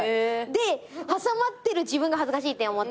で挟まってる自分が恥ずかしいって思って。